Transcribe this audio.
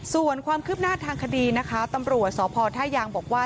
ส่วนความคืบหน้าทางคดีนะคะตำรวจสพท่ายางบอกว่า